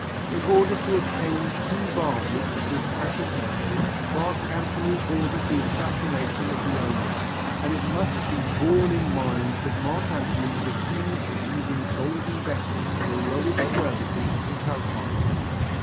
In order to obtain two vases of this precious metal Mark Antony ordered the assassination of the owner, and it must be borne in mind that Mark Antony was accused of using golden vessels for the lowest services of his household.